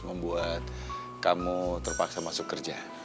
membuat kamu terpaksa masuk kerja